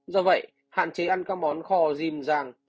do vậy hạn chế ăn các món kho rìm rang